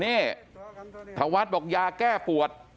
นี่ธวัฒน์บอกยาแก้ปวด